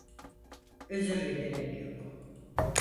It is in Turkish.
Özüre gerek yok.